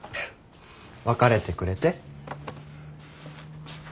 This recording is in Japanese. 別れてくれて？